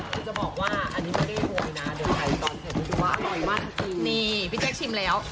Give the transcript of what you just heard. นี่จะบอกว่าอันนี้ไม่ได้โหยนะเดี๋ยวไข่ตอนเสร็จมันดูว่าอร่อยมากจริงนี่พี่เจ๊กชิมแล้ว